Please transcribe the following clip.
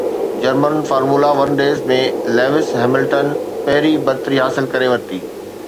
German Formula One race ۾ Lewis Hamilton پهرين برتري حاصل ڪري ورتي